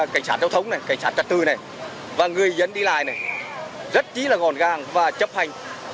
cảnh sát châu thông này cảnh sát trật tự này và người dân đi lại này rất chí là ngọn gàng và chấp hành